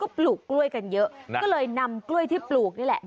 ปลูกกล้วยกันเยอะก็เลยนำกล้วยที่ปลูกนี่แหละ